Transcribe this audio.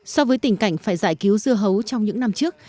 so với tình cảnh phải giải cứu dưa hấu trong những năm trước